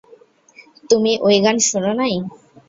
তুমি ওই গান শুনোনাই?